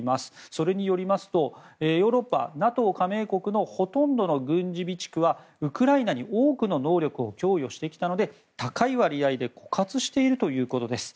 それによりますとヨーロッパ、ＮＡＴＯ加盟国のほとんどの軍事備蓄はウクライナに多くの能力を供与してきたので高い割合で枯渇しているということです。